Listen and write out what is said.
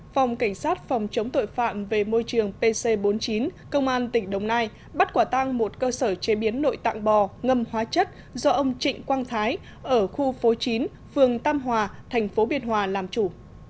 phòng cảnh sát phòng chống tội phạm về môi trường pc bốn mươi chín công an tỉnh đồng nai bắt quả tang một cơ sở chế biến nội tạng bò ngâm hóa chất do ông trịnh quang thái ở khu phố chín phường tam hòa thành phố biên hòa làm chủ